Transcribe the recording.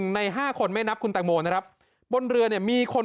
ใน๕คนไม่นับคุณแตงโมนะครับบนเรือเนี่ยมีคน